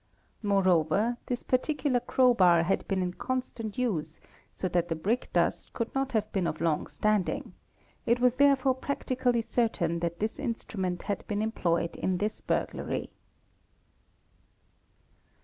Moreover this 4 particular crowbar had been in constant use so that the brick dust could 5 not have been of long standing, it was therefore practically certain that this instrument had been employed in this burglary.